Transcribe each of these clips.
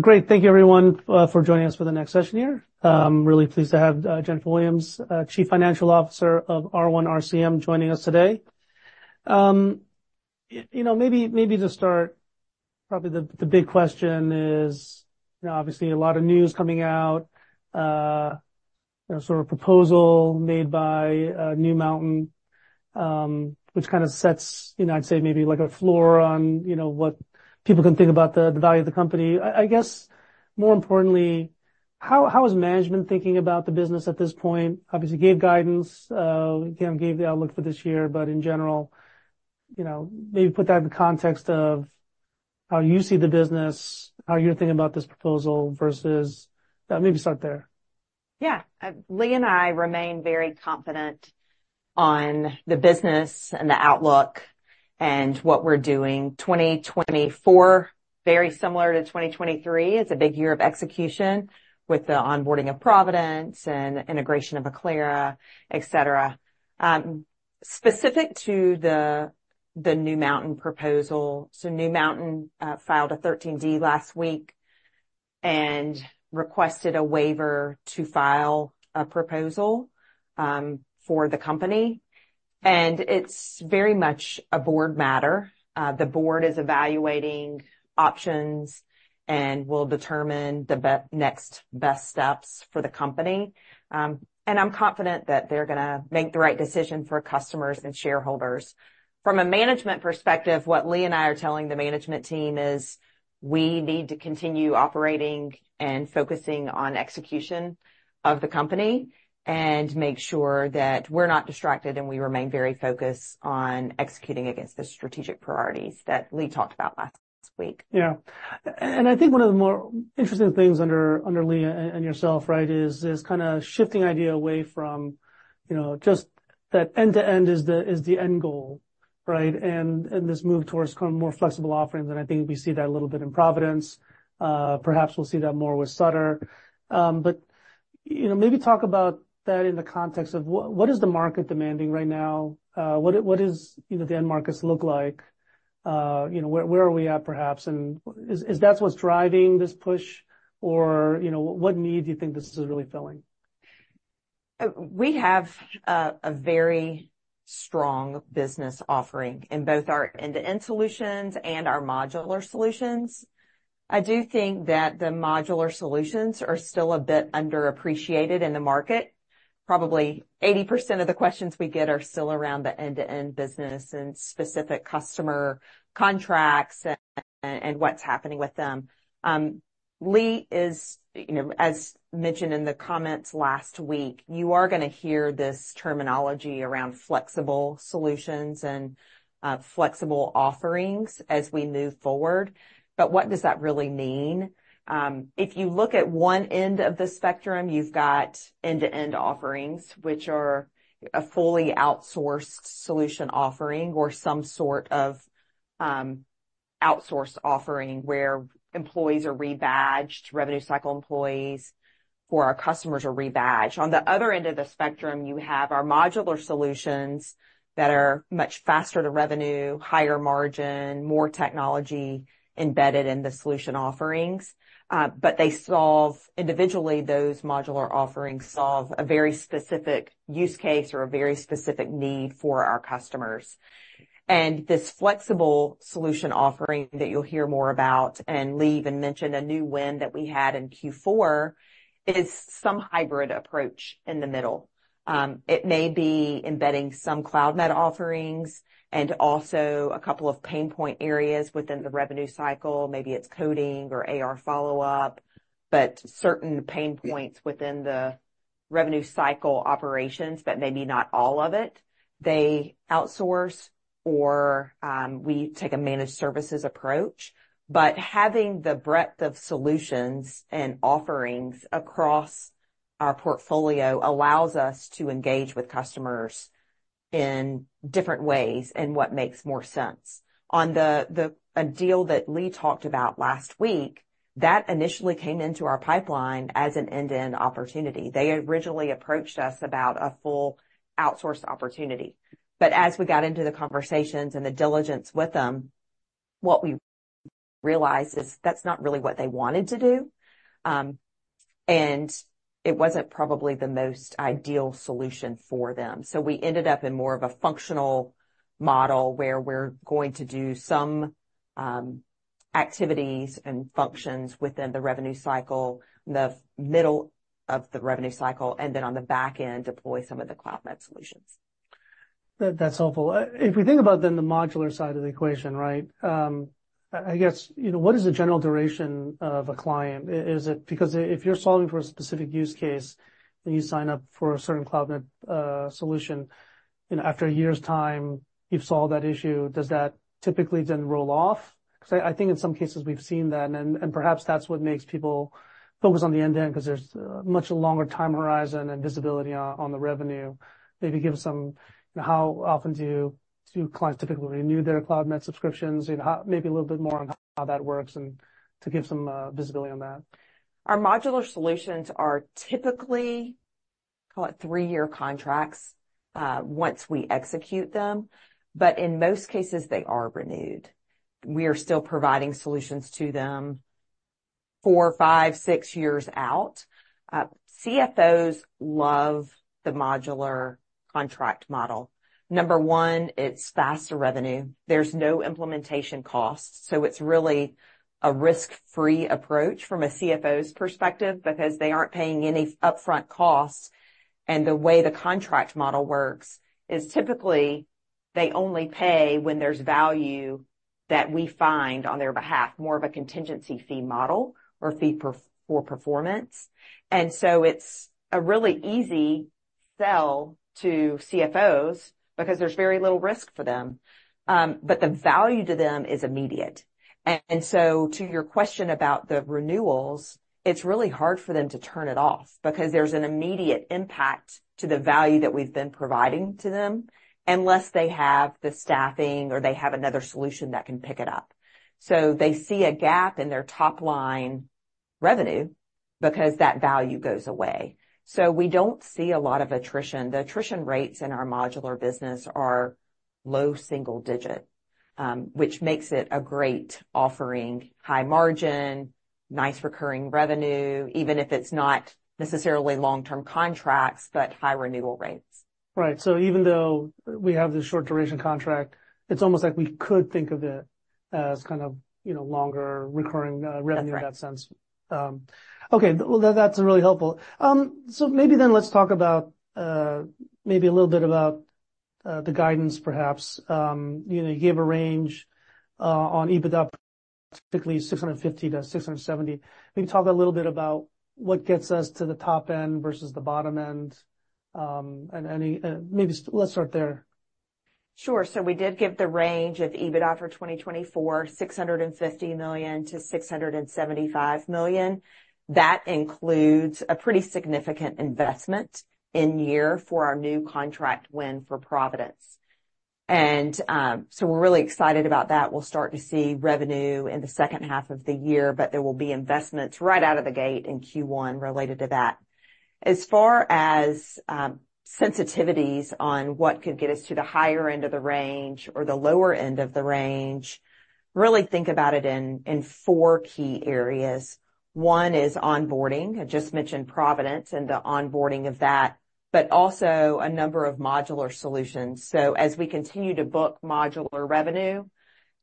Great. Thank you, everyone, for joining us for the next session here. Really pleased to have Jennifer Williams, Chief Financial Officer of R1 RCM, joining us today. You know, maybe, maybe to start, probably the, the big question is, you know, obviously a lot of news coming out, you know, sort of proposal made by New Mountain, which kind of sets, you know, I'd say maybe like a floor on, you know, what people can think about the, the value of the company. I, I guess more importantly, how, how is management thinking about the business at this point? Obviously gave guidance, again, gave the outlook for this year, but in general, you know, maybe put that in the context of how you see the business, how you're thinking about this proposal versus, maybe start there. Yeah. Lee and I remain very confident on the business and the outlook and what we're doing. 2024, very similar to 2023, is a big year of execution with the onboarding of Providence and integration of Acclara, etc. Specific to the New Mountain proposal, so New Mountain filed a 13D last week and requested a waiver to file a proposal for the company. It's very much a board matter. The board is evaluating options and will determine the next best steps for the company. I'm confident that they're gonna make the right decision for customers and shareholders. From a management perspective, what Lee and I are telling the management team is we need to continue operating and focusing on execution of the company and make sure that we're not distracted and we remain very focused on executing against the strategic priorities that Lee talked about last week. Yeah. And I think one of the more interesting things under Lee and yourself, right, is kind of shifting the idea away from, you know, just that end-to-end is the end goal, right, and this move towards kind of more flexible offerings. I think we see that a little bit in Providence. Perhaps we'll see that more with Sutter. But, you know, maybe talk about that in the context of what is the market demanding right now? What is, you know, the end markets look like? You know, where are we at perhaps? And is that what's driving this push, or, you know, what need do you think this is really filling? We have a very strong business offering in both our end-to-end solutions and our modular solutions. I do think that the modular solutions are still a bit underappreciated in the market. Probably 80% of the questions we get are still around the end-to-end business and specific customer contracts and what's happening with them. Lee is, you know, as mentioned in the comments last week, you are gonna hear this terminology around flexible solutions and flexible offerings as we move forward. But what does that really mean? If you look at one end of the spectrum, you've got end-to-end offerings, which are a fully outsourced solution offering or some sort of outsource offering where employees are rebadged, revenue cycle employees for our customers are rebadged. On the other end of the spectrum, you have our modular solutions that are much faster to revenue, higher margin, more technology embedded in the solution offerings. But they solve individually, those modular offerings solve a very specific use case or a very specific need for our customers. And this flexible solution offering that you'll hear more about and Lee even mentioned a new win that we had in Q4 is some hybrid approach in the middle. It may be embedding some Cloudmed offerings and also a couple of pain point areas within the revenue cycle. Maybe it's coding or AR follow-up, but certain pain points within the revenue cycle operations, but maybe not all of it, they outsource or we take a managed services approach. Having the breadth of solutions and offerings across our portfolio allows us to engage with customers in different ways and what makes more sense. On the deal that Lee talked about last week, that initially came into our pipeline as an end-to-end opportunity. They originally approached us about a full outsource opportunity. But as we got into the conversations and the diligence with them, what we realized is that's not really what they wanted to do, and it wasn't probably the most ideal solution for them. So we ended up in more of a functional model where we're going to do some activities and functions within the revenue cycle, the middle of the revenue cycle, and then on the back end deploy some of the Cloudmed solutions. That's helpful. If we think about, then, the modular side of the equation, right? I guess, you know, what is the general duration of a client? Is it because if you're solving for a specific use case and you sign up for a certain Cloudmed solution, you know, after a year's time, you've solved that issue, does that typically then roll off? 'Cause I think in some cases we've seen that. And perhaps that's what makes people focus on the end-to-end 'cause there's much longer time horizon and visibility on the revenue. Maybe give us some, you know, how often do clients typically renew their Cloudmed subscriptions? You know, maybe a little bit more on how that works and to give some visibility on that. Our modular solutions are typically call it three-year contracts, once we execute them. But in most cases, they are renewed. We are still providing solutions to them 4, 5, 6 years out. CFOs love the modular contract model. Number one, it's faster revenue. There's no implementation cost. So it's really a risk-free approach from a CFO's perspective because they aren't paying any upfront costs. And the way the contract model works is typically they only pay when there's value that we find on their behalf, more of a contingency fee model or fee-for-performance. And so it's a really easy sell to CFOs because there's very little risk for them. But the value to them is immediate. And so to your question about the renewals, it's really hard for them to turn it off because there's an immediate impact to the value that we've been providing to them unless they have the staffing or they have another solution that can pick it up. So they see a gap in their top line revenue because that value goes away. So we don't see a lot of attrition. The attrition rates in our modular business are low single digit, which makes it a great offering, high margin, nice recurring revenue, even if it's not necessarily long-term contracts but high renewal rates. Right. So even though we have the short duration contract, it's almost like we could think of it as kind of, you know, longer recurring, revenue in that sense. That's right. Okay. Well, that's really helpful. So maybe then let's talk about, maybe a little bit about, the guidance perhaps. You know, you gave a range on EBITDA typically $650-$670. Maybe talk a little bit about what gets us to the top end versus the bottom end, and any, maybe so let's start there. Sure. So we did give the range of EBITDA for 2024, $650 million-$675 million. That includes a pretty significant investment in year for our new contract win for Providence. And, so we're really excited about that. We'll start to see revenue in the second half of the year, but there will be investments right out of the gate in Q1 related to that. As far as sensitivities on what could get us to the higher end of the range or the lower end of the range, really think about it in four key areas. One is onboarding. I just mentioned Providence and the onboarding of that, but also a number of modular solutions. So as we continue to book modular revenue,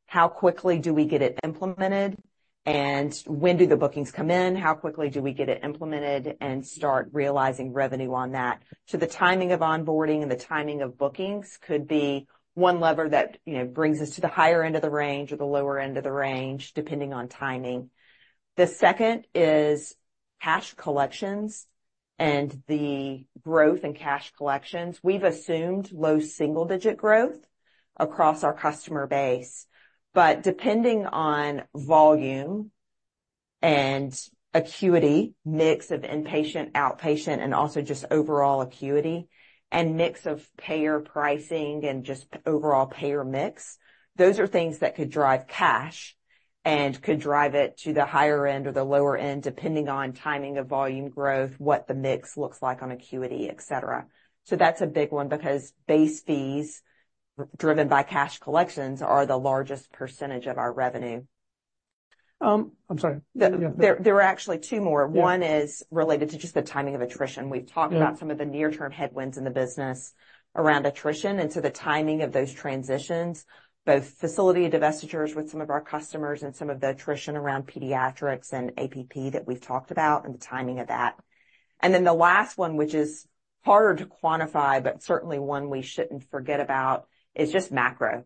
how quickly do we get it implemented? And when do the bookings come in? How quickly do we get it implemented and start realizing revenue on that? So the timing of onboarding and the timing of bookings could be one lever that, you know, brings us to the higher end of the range or the lower end of the range depending on timing. The second is cash collections and the growth in cash collections. We've assumed low single digit growth across our customer base. But depending on volume and acuity, mix of inpatient, outpatient, and also just overall acuity and mix of payer pricing and just overall payer mix, those are things that could drive cash and could drive it to the higher end or the lower end depending on timing of volume growth, what the mix looks like on acuity, etc. So that's a big one because base fees are driven by cash collections are the largest percentage of our revenue. I'm sorry. Yeah. There are actually two more. One is related to just the timing of attrition. We've talked about some of the near-term headwinds in the business around attrition and so the timing of those transitions, both facility divestitures with some of our customers and our new contract win for Providence.. And then the last one, which is harder to quantify but certainly one we shouldn't forget about, is just macro,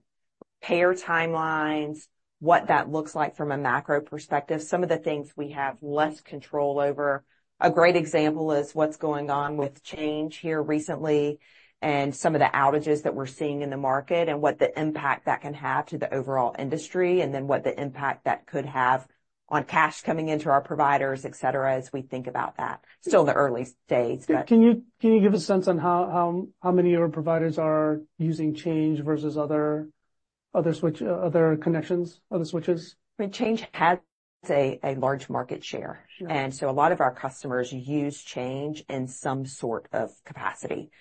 payer timelines, what that looks like from a macro perspective, some of the things we have less control over. A great example is what's going on with Change here recently and some of the outages that we're seeing in the market and what the impact that can have to the overall industry and then what the impact that could have on cash coming into our providers, etc., as we think about that. Still in the early days, but. Can you give a sense on how many of your providers are using Change versus other switches? I mean, Change has a large market share. Sure. And so a lot of our customers use Change in some sort of capacity.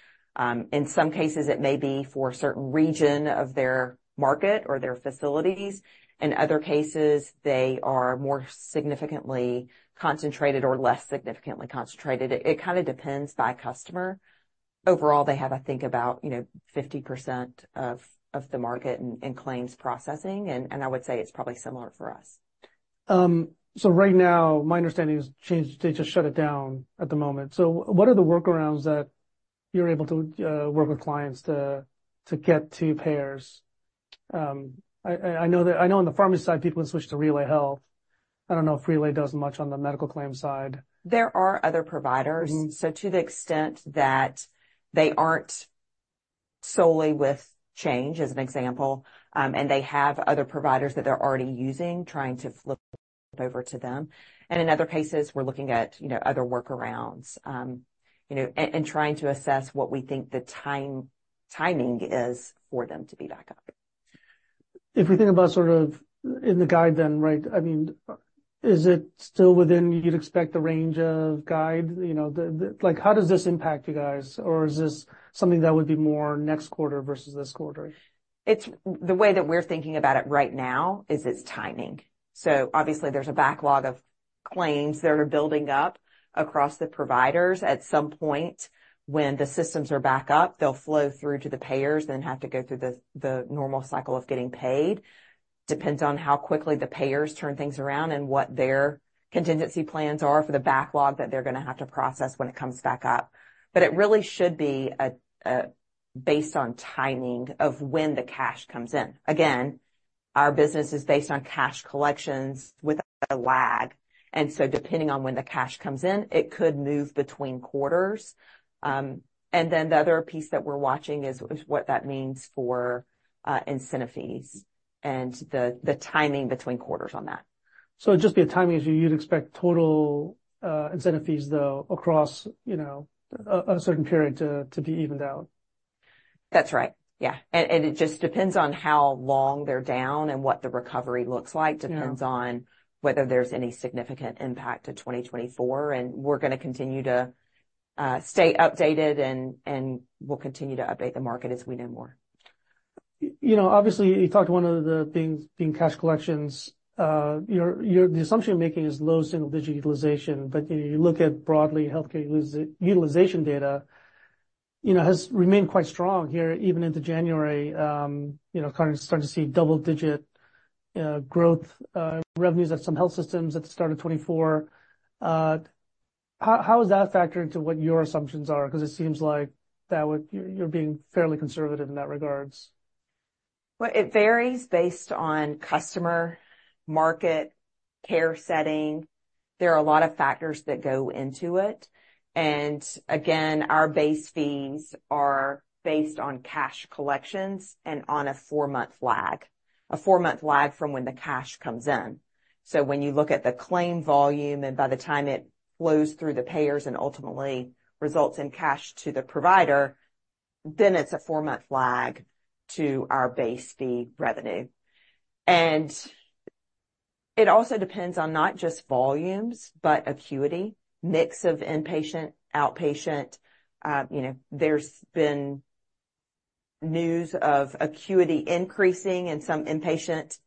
In some cases, it may be for a certain region of their market or their facilities. In other cases, they are more significantly concentrated or less significantly concentrated. It kind of depends by customer. Overall, they have, I think, about, you know, 50% of, of the market in, in claims processing. And, and I would say it's probably similar for us. So right now, my understanding is Change. They just shut it down at the moment. So what are the workarounds that you're able to work with clients to get to payers? I know that I know on the pharmacy side, people can switch to RelayHealth. I don't know if RelayHealth does much on the medical claims side. There are other providers. Mm-hmm. To the extent that they aren't solely with Change, as an example, and they have other providers that they're already using trying to flip. Mm-hmm. Over to them. In other cases, we're looking at, you know, other workarounds, you know, and trying to assess what we think the timing is for them to be back up. If we think about sort of in the guide then, right? I mean, is it still within you'd expect the range of guide? You know, the, the like, how does this impact you guys? Or is this something that would be more next quarter versus this quarter? It's the way that we're thinking about it right now is it's timing. So obviously, there's a backlog of claims that are building up across the providers. At some point when the systems are back up, they'll flow through to the payers and then have to go through the normal cycle of getting paid. Depends on how quickly the payers turn things around and what their contingency plans are for the backlog that they're gonna have to process when it comes back up. But it really should be a based on timing of when the cash comes in. Again, our business is based on cash collections with a lag. And so depending on when the cash comes in, it could move between quarters. And then the other piece that we're watching is what that means for incentive fees and the timing between quarters on that. So it'd just be a timing issue you'd expect total incentive fees though across, you know, a certain period to be evened out. That's right. Yeah. And it just depends on how long they're down and what the recovery looks like. Yeah. Depends on whether there's any significant impact to 2024. We're gonna continue to stay updated and we'll continue to update the market as we know more. You know, obviously, you talked to one of the things, being cash collections. You're, you're the assumption you're making is low single digit utilization. But, you know, you look at broadly healthcare utilization data, you know, has remained quite strong here even into January. You know, kinda starting to see double-digit growth, revenues at some health systems at the start of 2024. How is that factored into what your assumptions are? 'Cause it seems like that would you're, you're being fairly conservative in that regards. Well, it varies based on customer, market, care setting. There are a lot of factors that go into it. And again, our base fees are based on cash collections and on a four-month lag, a four-month lag from when the cash comes in. So when you look at the claim volume and by the time it flows through the payers and ultimately results in cash to the provider, then it's a four-month lag to our base fee revenue. And it also depends on not just volumes but acuity, mix of inpatient, outpatient. You know, there's been news of acuity increasing in some inpatient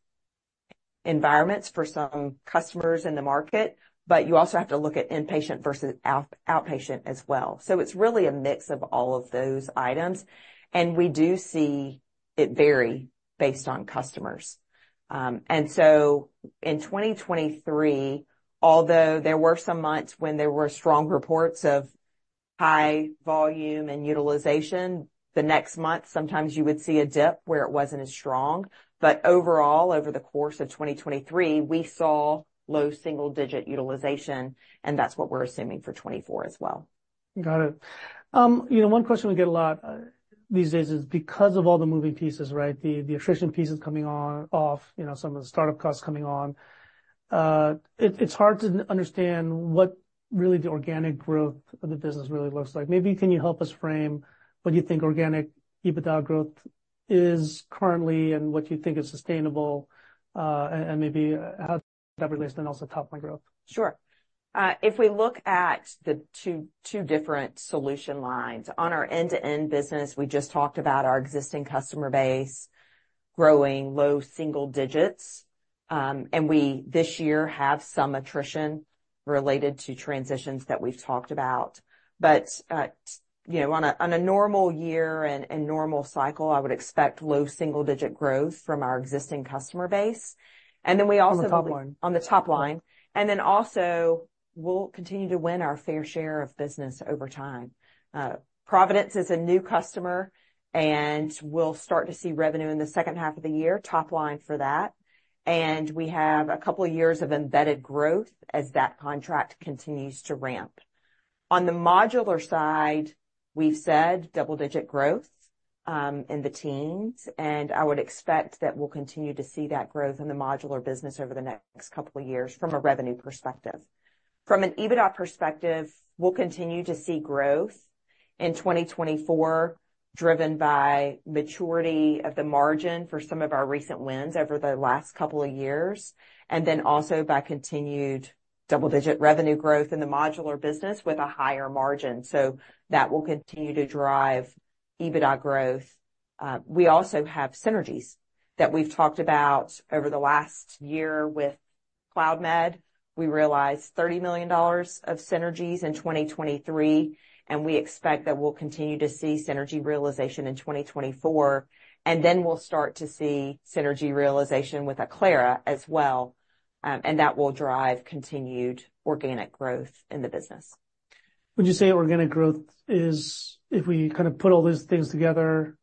environments for some customers in the market. But you also have to look at inpatient versus outpatient as well. So it's really a mix of all of those items. And we do see it vary based on customers. In 2023, although there were some months when there were strong reports of high volume and utilization, the next month, sometimes you would see a dip where it wasn't as strong. But overall, over the course of 2023, we saw low single digit utilization. That's what we're assuming for 2024 as well. Got it. You know, one question we get a lot, these days is because of all the moving pieces, right, the attrition pieces coming on off, you know, some of the startup costs coming on, it's hard to understand what really the organic growth of the business really looks like. Maybe can you help us frame what you think organic EBITDA growth is currently and what you think is sustainable, and maybe, how does that relate to then also top line growth? Sure. If we look at the two different solution lines, on our end-to-end business, we just talked about our existing customer base growing low single digits. And we this year have some attrition related to transitions that we've talked about. But you know, on a normal year and normal cycle, I would expect low single digit growth from our existing customer base. And then we also believe. On the top line. On the top line. Then also, we'll continue to win our fair share of business over time. Providence is a new customer. We'll start to see revenue in the second half of the year, top line for that. We have a couple of years of embedded growth as that contract continues to ramp. On the modular side, we've said double-digit growth, in the teens. I would expect that we'll continue to see that growth in the modular business over the next couple of years from a revenue perspective. From an EBITDA perspective, we'll continue to see growth in 2024 driven by maturity of the margin for some of our recent wins over the last couple of years and then also by continued double-digit revenue growth in the modular business with a higher margin. That will continue to drive EBITDA growth. We also have synergies that we've talked about over the last year with Cloudmed. We realized $30 million of synergies in 2023. We expect that we'll continue to see synergy realization in 2024. Then we'll start to see synergy realization with Acclara as well. That will drive continued organic growth in the business. When you say organic growth is if we kinda put all those things together,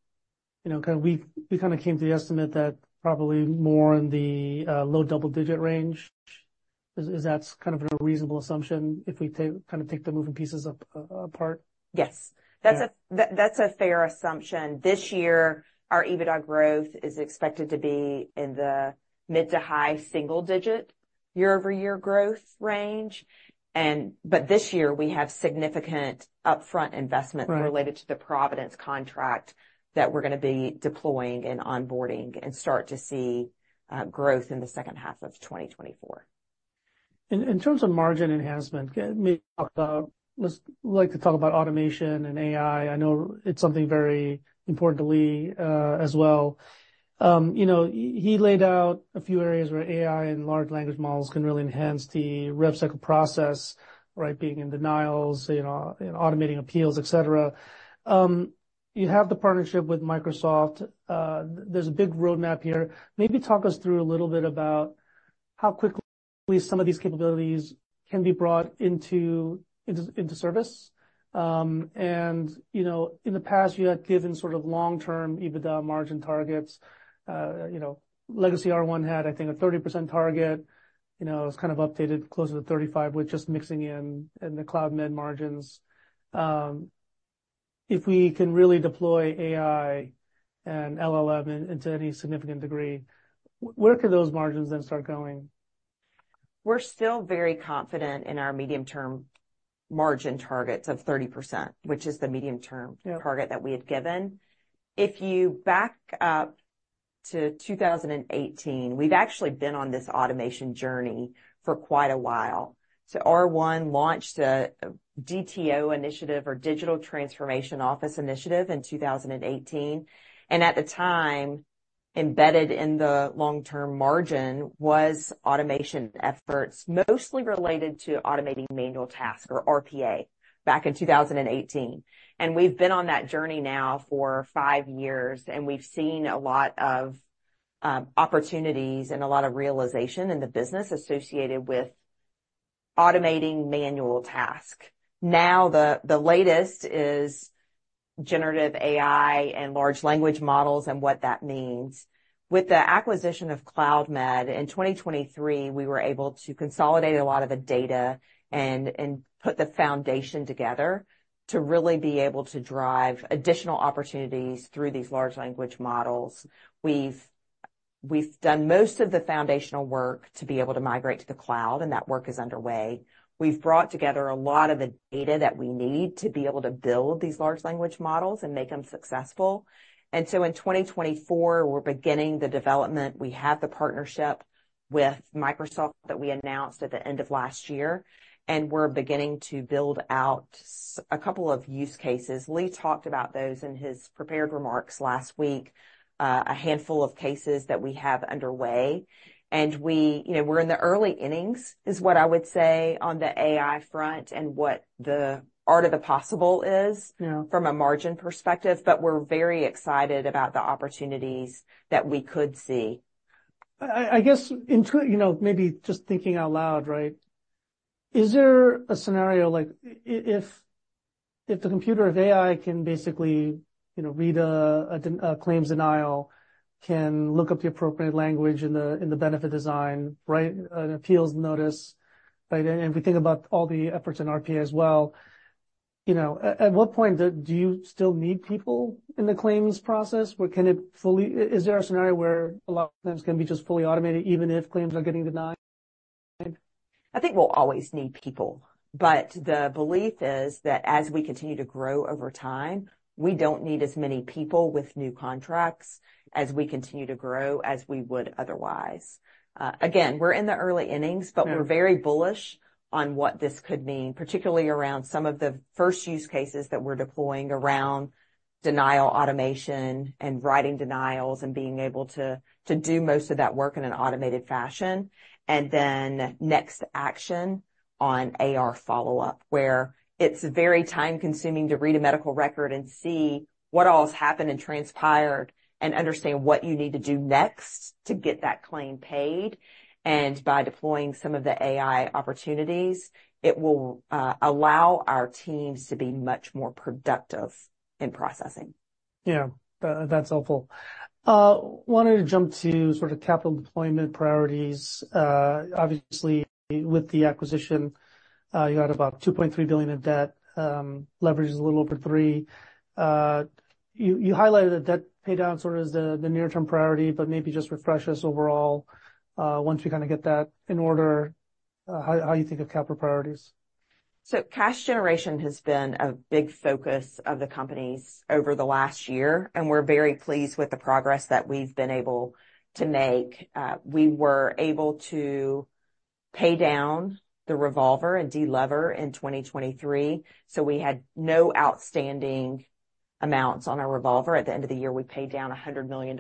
you know, we kinda came to the estimate that probably more in the low double digit range. Is that kind of a reasonable assumption if we take kinda take the moving pieces apart? Yes. That's a. That's a. That's a fair assumption. This year, our EBITDA growth is expected to be in the mid- to high-single-digit year-over-year growth range. But this year, we have significant upfront investment. Right. Related to the Providence contract that we're gonna be deploying and onboarding and start to see growth in the second half of 2024. In terms of margin enhancement, let's talk about automation and AI. I know it's something very important to Lee, as well. You know, he laid out a few areas where AI and large language models can really enhance the rev cycle process, right, being in denials, you know, automating appeals, etc. You have the partnership with Microsoft. There's a big roadmap here. Maybe talk us through a little bit about how quickly some of these capabilities can be brought into service. You know, in the past, you had given sort of long-term EBITDA margin targets. You know, Legacy R1 had, I think, a 30% target. You know, it was kind of updated closer to 35% with just mixing in the Cloudmed margins. If we can really deploy AI and LLM into any significant degree, where could those margins then start going? We're still very confident in our medium-term margin targets of 30%, which is the medium-term. Yeah. Target that we had given. If you back up to 2018, we've actually been on this automation journey for quite a while. R1 launched a DTO initiative or Digital Transformation Office Initiative in 2018. And at the time, embedded in the long-term margin was automation efforts mostly related to automating manual task or RPA back in 2018. And we've been on that journey now for 5 years. And we've seen a lot of opportunities and a lot of realization in the business associated with automating manual task. Now, the latest is generative AI and large language models and what that means. With the acquisition of Cloudmed in 2023, we were able to consolidate a lot of the data and put the foundation together to really be able to drive additional opportunities through these large language models. We've done most of the foundational work to be able to migrate to the cloud. And that work is underway. We've brought together a lot of the data that we need to be able to build these large language models and make them successful. And so in 2024, we're beginning the development. We have the partnership with Microsoft that we announced at the end of last year. And we're beginning to build out a couple of use cases. Lee talked about those in his prepared remarks last week, a handful of cases that we have underway. And you know, we're in the early innings is what I would say on the AI front and what the art of the possible is. Yeah. From a margin perspective. But we're very excited about the opportunities that we could see. I guess, you know, maybe just thinking out loud, right, is there a scenario like, if, if the computer or AI can basically, you know, read a denial, can look up the appropriate language in the benefit design, write an appeals notice, right, and if we think about all the efforts in RPA as well, you know, at what point do you still need people in the claims process? Is there a scenario where a lot of times can be just fully automated even if claims are getting denied? I think we'll always need people. But the belief is that as we continue to grow over time, we don't need as many people with new contracts as we continue to grow as we would otherwise. Again, we're in the early innings. Yeah. But we're very bullish on what this could mean, particularly around some of the first use cases that we're deploying around denial automation and writing denials and being able to do most of that work in an automated fashion. And then next action on AR follow-up where it's very time-consuming to read a medical record and see what all's happened and transpired and understand what you need to do next to get that claim paid. And by deploying some of the AI opportunities, it will allow our teams to be much more productive in processing. Yeah. That's helpful. Wanted to jump to sort of capital deployment priorities. Obviously, with the acquisition, you had about $2.3 billion in debt, leverage is a little over three. You highlighted that debt paydown sort of is the near-term priority. But maybe just refresh us overall, once we kinda get that in order, how you think of capital priorities. So cash generation has been a big focus of the companies over the last year. And we're very pleased with the progress that we've been able to make. We were able to pay down the revolver and de-lever in 2023. So we had no outstanding amounts on our revolver. At the end of the year, we paid down $100 million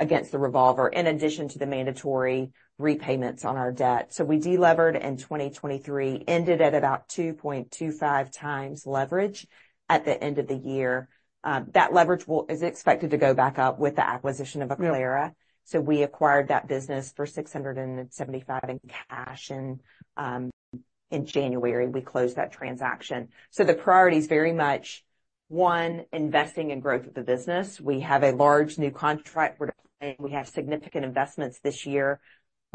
against the revolver in addition to the mandatory repayments on our debt. So we de-levered in 2023, ended at about 2.25 times leverage at the end of the year. That leverage will is expected to go back up with the acquisition of Acclara. Yeah. So we acquired that business for $675 million in cash in January. We closed that transaction. So the priority is very much one, investing in growth of the business. We have a large new contract we're deploying. We have significant investments this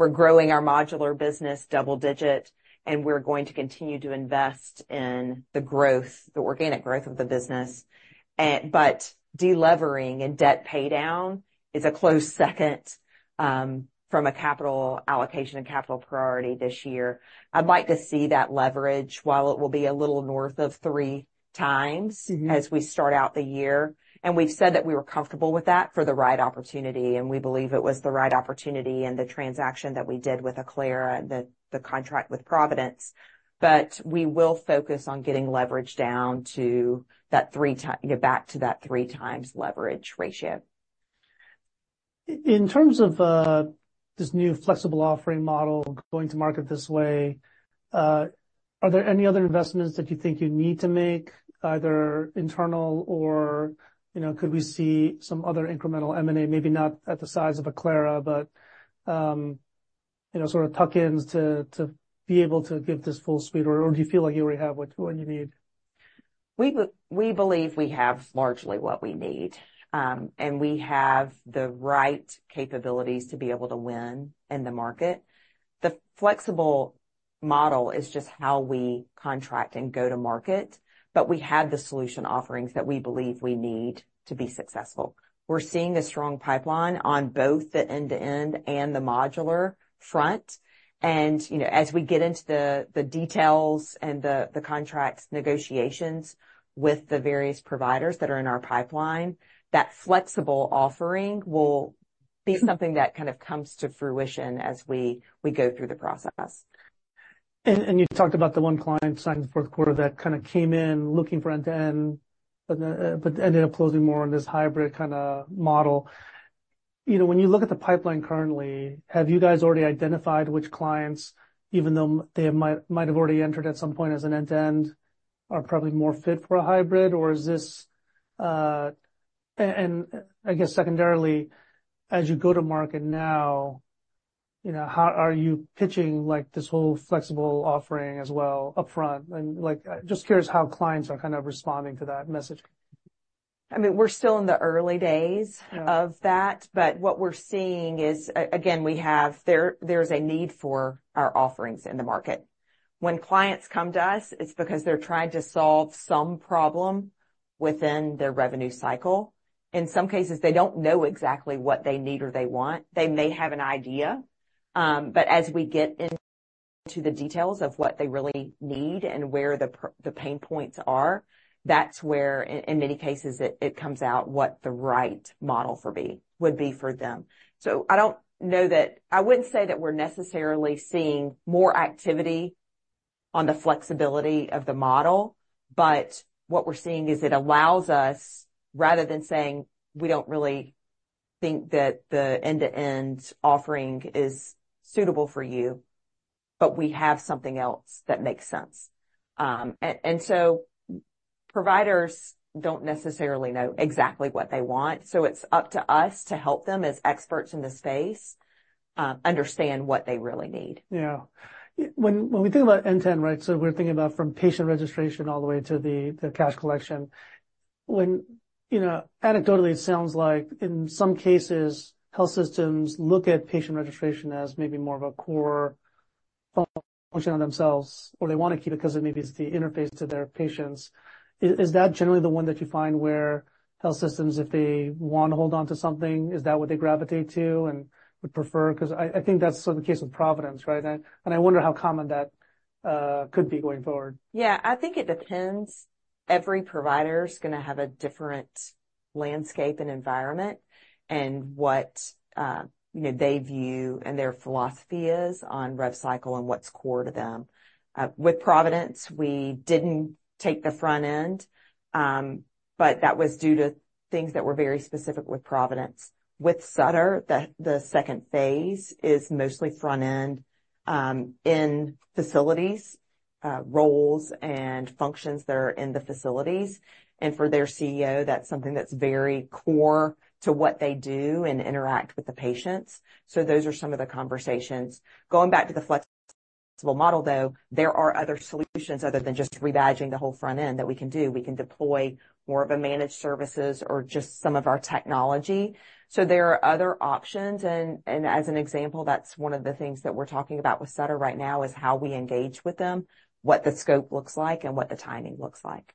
year. We're growing our modular business double digit. And we're going to continue to invest in the growth, the organic growth of the business. But de-levering and debt paydown is a close second, from a capital allocation and capital priority this year. I'd like to see that leverage while it will be a little north of three times. Mm-hmm. As we start out the year. We've said that we were comfortable with that for the right opportunity. And we believe it was the right opportunity and the transaction that we did with Acclara and the contract with Providence. But we will focus on getting leverage down to that 3x, you know, back to that 3x leverage ratio. In terms of this new flexible offering model going to market this way, are there any other investments that you think you need to make, either internal or, you know, could we see some other incremental M&A, maybe not at the size of Acclara, but, you know, sort of tuck-ins to be able to give this full speed? Or do you feel like you already have what you need? We believe we have largely what we need. We have the right capabilities to be able to win in the market. The flexible model is just how we contract and go to market. But we have the solution offerings that we believe we need to be successful. We're seeing a strong pipeline on both the end-to-end and the modular front. And, you know, as we get into the details and the contract negotiations with the various providers that are in our pipeline, that flexible offering will be something that kind of comes to fruition as we go through the process. You talked about the one client signed the fourth quarter that kinda came in looking for end-to-end but ended up closing more on this hybrid kinda model. You know, when you look at the pipeline currently, have you guys already identified which clients, even though they might have already entered at some point as an end-to-end, are probably more fit for a hybrid? Or is this, and, I guess, secondarily, as you go to market now, you know, how are you pitching, like, this whole flexible offering as well upfront? And, like, I'm just curious how clients are kinda responding to that message. I mean, we're still in the early days. Yeah. Of that. But what we're seeing is, again, we have there, there's a need for our offerings in the market. When clients come to us, it's because they're trying to solve some problem within their revenue cycle. In some cases, they don't know exactly what they need or they want. They may have an idea, but as we get into the details of what they really need and where the pain points are, that's where, in many cases, it comes out what the right model for them would be for them. So I don't know that I wouldn't say that we're necessarily seeing more activity on the flexibility of the model. But what we're seeing is it allows us, rather than saying, "We don't really think that the end-to-end offering is suitable for you, but we have something else that makes sense." And so providers don't necessarily know exactly what they want. So it's up to us to help them as experts in the space, understand what they really need. Yeah. When we think about end-to-end, right, so we're thinking about from patient registration all the way to the cash collection. When, you know, anecdotally, it sounds like in some cases, health systems look at patient registration as maybe more of a core function of themselves. Or they wanna keep it 'cause it maybe is the interface to their patients. Is that generally the one that you find where health systems, if they wanna hold onto something, is that what they gravitate to and would prefer? 'Cause I think that's sort of the case with Providence, right? And I wonder how common that could be going forward. Yeah. I think it depends. Every provider's gonna have a different landscape and environment and what, you know, they view and their philosophy is on rev cycle and what's core to them. With Providence, we didn't take the front end, but that was due to things that were very specific with Providence. With Sutter, the second phase is mostly front end, in facilities, roles and functions that are in the facilities. And for their CEO, that's something that's very core to what they do and interact with the patients. So those are some of the conversations. Going back to the flexible model, though, there are other solutions other than just rebadging the whole front end that we can do. We can deploy more of a managed services or just some of our technology. So there are other options. And as an example, that's one of the things that we're talking about with Sutter right now is how we engage with them, what the scope looks like, and what the timing looks like.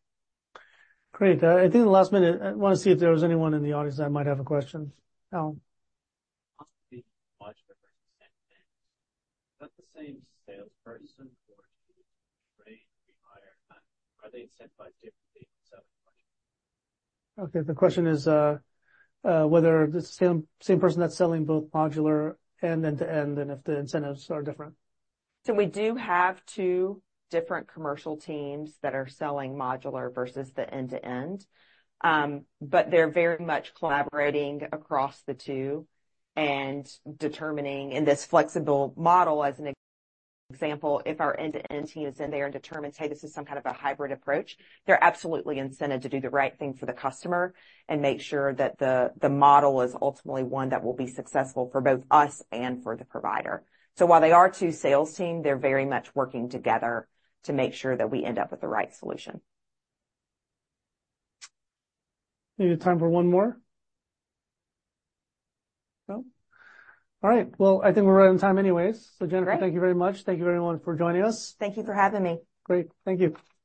Great. I think in the last minute, I wanna see if there was anyone in the audience that might have a question. Al. Modular personnel assignments. Is that the same salesperson or do you need to trade or rehire? Are they incentivized differently on selling modular? Okay. The question is, whether it's the same, same person that's selling both modular and end-to-end and if the incentives are different? So we do have two different commercial teams that are selling modular versus the end-to-end. But they're very much collaborating across the two and determining in this flexible model, as an example, if our end-to-end team is in there and determines, "Hey, this is some kind of a hybrid approach," they're absolutely incented to do the right thing for the customer and make sure that the model is ultimately one that will be successful for both us and for the provider. So while they are two sales teams, they're very much working together to make sure that we end up with the right solution. Maybe time for one more? No? All right. Well, I think we're right on time anyways. So, Jennifer. Okay. Thank you very much. Thank you, everyone, for joining us. Thank you for having me. Great. Thank you.